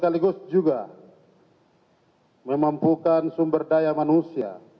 kita tetap ingin menganggarkan far nur